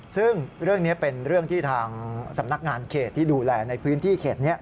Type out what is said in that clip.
ซึ่งเรื่องนี้เป็นเรื่องที่ทางสำนักงานเขตที่ดูแลในพื้นที่เขตนี้